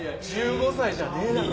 １５歳じゃねえだろ。